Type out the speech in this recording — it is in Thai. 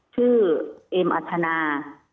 ชื่อเอมอัธนา